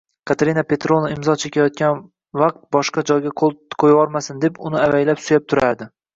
Katerina Petrovna imzo chekayotgan payt boshqa joyga qoʻl qoʻyvormasin deb, uni avaylab suyab turardi.